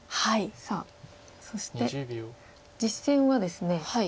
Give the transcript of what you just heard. さあそして実戦はですね